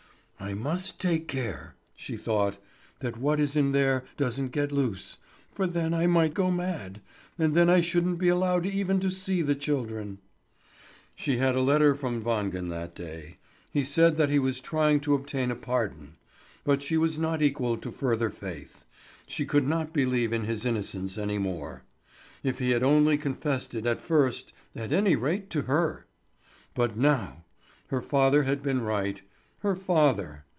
"I must take care," she thought, "that what is in there doesn't get loose, for then I might go mad; and then I shouldn't be allowed even to see the children." She had had a letter from Wangen that day; he said that he was trying to obtain a pardon. But she was not equal to further faith; she could not believe in his innocence any more. If he had only confessed it at first, at any rate to her! But now! Her father had been right. Her father!